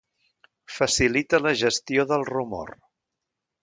Facilita la gestió del rumor.